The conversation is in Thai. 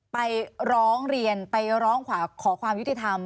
ไปร้องเรียนไปร้องขอความยุติธรรม